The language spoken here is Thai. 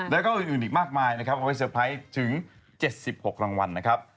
แล้วก็อื่นอีกมากมายนะครับเอาไว้เซอร์ไพรส์ถึง๗๖รางวัลนะครับ